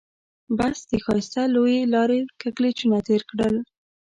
بس د ښایسته لويې لارې کږلېچونه تېر کړل.